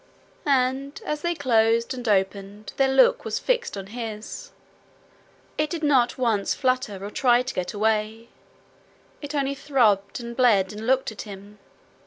And as they closed and opened, their look was fixed on his. It did not once flutter or try to get away; it only throbbed and bled and looked at him.